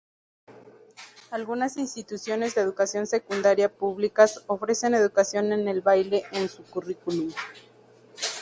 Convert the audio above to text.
Algunas instituciones de educación secundaria públicas ofrecen educación en el baile en su currículum.